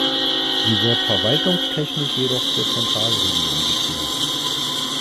Sie wird verwaltungstechnisch jedoch zur Zentralregion gezählt.